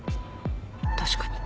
確かに。